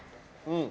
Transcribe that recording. うん！